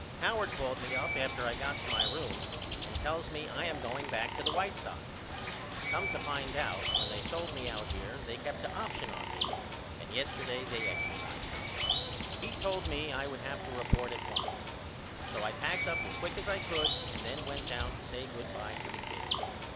Howard called me up after I got to my room and tells me I am going back to the White Sox. Come to find out, when they sold me out here they kept a option on me and yesterday they exercised it. He told me I would have to report at once. So I packed up as quick as I could and then went down to say good by to the kid.